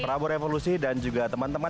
prabu revolusi dan juga teman teman